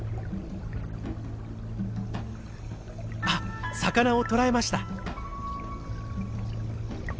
あっ魚を捕らえました。